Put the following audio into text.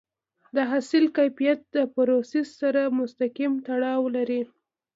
د حاصل کیفیت د پروسس سره مستقیم تړاو لري.